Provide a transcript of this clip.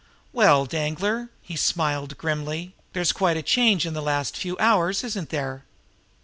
"Well, Danglar," he smiled grimly, "there's quite a change in the last few hours, isn't there?"